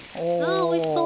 あおいしそう！